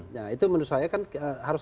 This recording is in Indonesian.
nah itu menurut saya kan harus